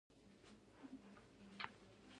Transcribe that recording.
هغوی یوځای د ځلانده غزل له لارې سفر پیل کړ.